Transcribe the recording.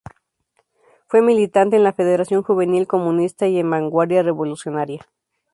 Fue militante en la Federación Juvenil Comunista y en Vanguardia Revolucionaria.